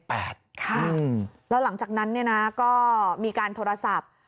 แล้วหลังจากนั้นเนี่ยนะก็มีการโทรศัพท์